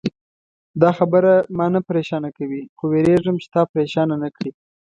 دا خبره ما نه پرېشانه کوي، خو وېرېږم چې تا پرېشانه نه کړي.